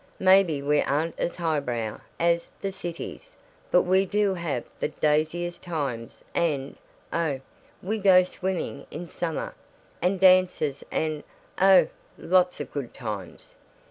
Maybe we aren't as highbrow as the Cities, but we do have the daisiest times and oh, we go swimming in summer, and dances and oh, lots of good times.